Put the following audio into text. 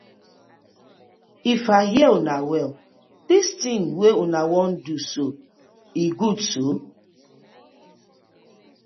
If I hear una well, dis ting wey una wan do so e good so.